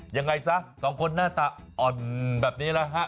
ยังไงสะสองคนน่าจะอ่อนแบบนี้นะฮะ